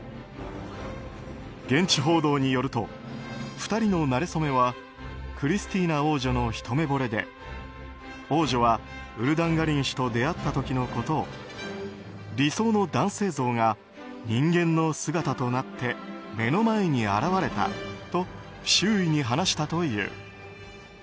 現地報道によると２人のなれ初めはクリスティーナ王女のひと目ぼれで、王女はウルダンガリン氏と出会った時のことを理想の男性像が人間の姿となって目の前に現れたと周囲に話したという。